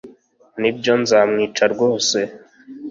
nibyo, nzamwica rwose.